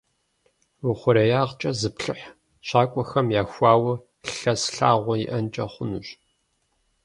Уи хъуреягъкӏэ зыплъыхь, щакӏуэхэм яхуауэ лъэс лъагъуэ иӏэнкӏэ хъунущ.